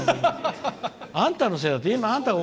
あんたのせいだって。